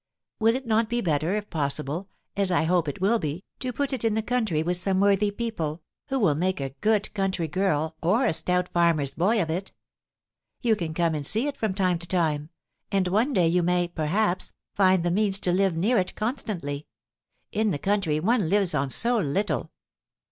"Will it not be better, if possible, as I hope it will be, to put it in the country with some worthy people, who will make a good country girl or a stout farmer's boy of it? You can come and see it from time to time; and one day you may, perhaps, find the means to live near it constantly. In the country, one lives on so little!"